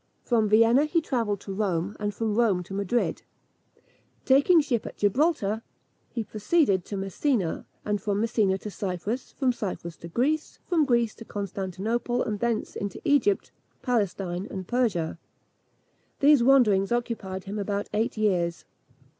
From Vienna he travelled to Rome, and from Rome to Madrid. Taking ship at Gibraltar, he proceeded to Messina; from Messina to Cyprus; from Cyprus to Greece; from Greece to Constantinople; and thence into Egypt, Palestine, and Persia. These wanderings occupied him about eight years.